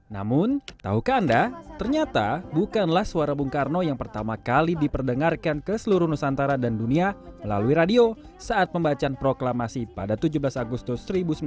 namun tahukah anda ternyata bukanlah suara bung karno yang pertama kali diperdengarkan ke seluruh nusantara dan dunia melalui radio saat pembacaan proklamasi pada tujuh belas agustus seribu sembilan ratus empat puluh